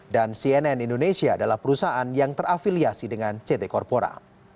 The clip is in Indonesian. dan cnn indonesia adalah perusahaan yang terafiliasi dengan ct corpora